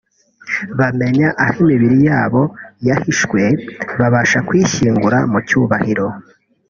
bamenya aho imibiri yabo yahishwe babasha kuyishyingura mu cyubahiro